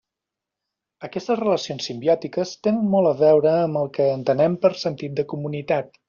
Aquestes relacions simbiòtiques tenen molt a veure amb el que entenem per sentit de comunitat.